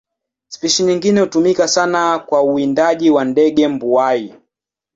Spishi nyingine hutumika sana kwa uwindaji kwa ndege mbuai.